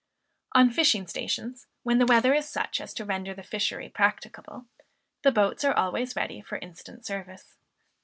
On fishing stations, when the weather is such as to render the fishery practicable, the boats are always ready for instant service.